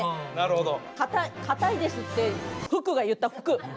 「かたいです」って副が言った副。